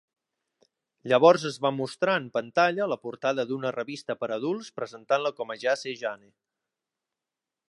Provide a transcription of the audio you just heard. Llavors es va mostrar en pantalla la portada d'una revista per a adults presentant-la com a Jesse Jane.